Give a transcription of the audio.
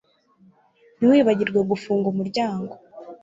Ntiwibagirwe gufunga umuryango